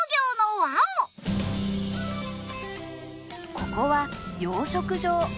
ここは養殖場。